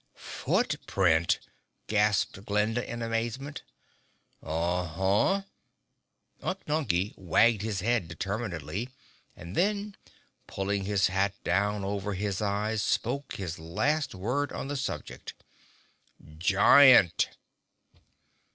"Foot print!" gasped Glinda in amazement. "Uh huh!" Unk Nunkie wagged his head determinedly and then, pulling his hat down over his eyes, spoke his last word on the subject: "_GIANT!